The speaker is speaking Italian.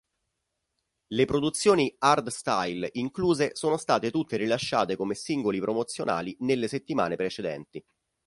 Le produzioni hardstyle incluse sono state tutte rilasciate come singoli promozionali nelle settimane precedenti.